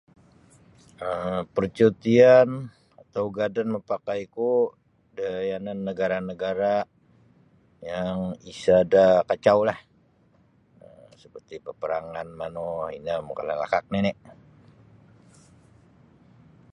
um percutian atau ugadan mapakaiku da yanan nagara'-nagara' yang isada' kacaulah seperti peperangan manu ino makalalakak nini'